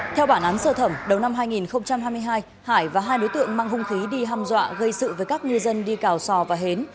theo bản án sơ thẩm đầu năm hai nghìn hai mươi hai hải và hai đối tượng mang hung khí đi hăm dọa gây sự với các ngư dân đi cào sò và hến